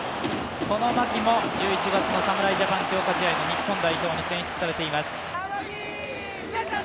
この牧も１１月侍ジャパン強化試合の日本代表に選出されています。